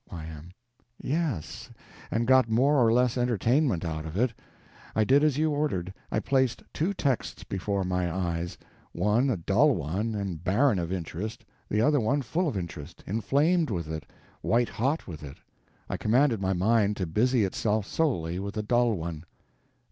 Y.M. Yes, and got more or less entertainment out of it. I did as you ordered: I placed two texts before my eyes—one a dull one and barren of interest, the other one full of interest, inflamed with it, white hot with it. I commanded my mind to busy itself solely with the dull one.